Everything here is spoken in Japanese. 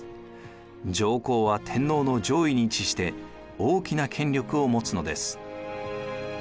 上皇は天皇の上位に位置して大きな権力を持つのです。